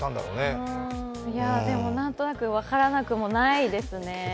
何となく分からなくもないですね。